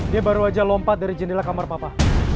dia baru aja lompat dari jendela kamar papa